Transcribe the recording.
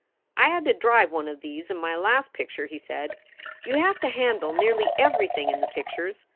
"I had to drive one of these in my last picture," he said. "You have to handle nearly everything in the pictures.